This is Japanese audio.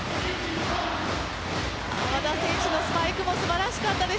和田選手のスパイクも素晴らしかったです。